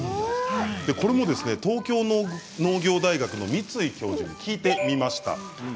これも、東京農業大学の三井教授に聞いてみました。